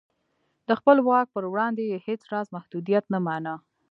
د خپل واک پر وړاندې یې هېڅ راز محدودیت نه مانه.